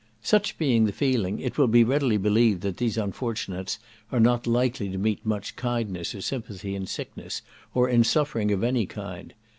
Such being the feeling, it will be readily believed that these unfortunates are not likely to meet much kindness or sympathy in sickness, or in suffering of any kind.